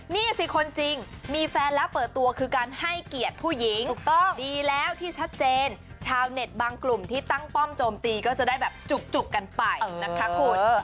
นี่สิคนจริงมีแฟนแล้วเปิดตัวคือการให้เกียรติผู้หญิงถูกต้องดีแล้วที่ชัดเจนชาวเน็ตบางกลุ่มที่ตั้งป้อมโจมตีก็จะได้แบบจุกกันไปนะคะคุณ